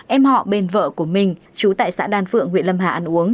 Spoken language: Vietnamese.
em họ bên vợ của mình chú tại xã đan phượng huyện lâm hà ăn uống